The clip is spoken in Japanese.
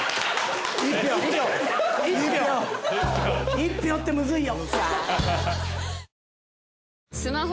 １票ってむずいよ。